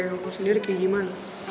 lo sendiri kayak gimana